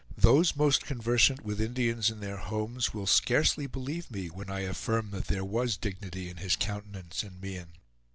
Those most conversant with Indians in their homes will scarcely believe me when I affirm that there was dignity in his countenance and mien.